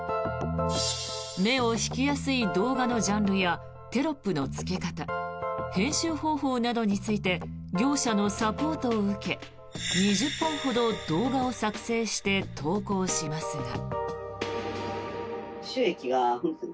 目を引きやすい動画のジャンルやテロップのつけ方編集方法などについて業者のサポートを受け２０本ほど動画を作成して投稿しますが。